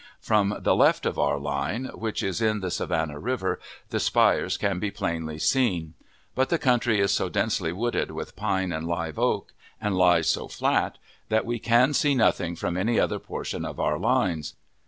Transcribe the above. From the left of our line, which is on the Savannah River, the spires can be plainly seen; but the country is so densely wooded with pine and live oak, and lies so flat, that we can see nothing from any other portion of our lines.